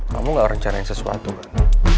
kamu gak rencanain sesuatu kan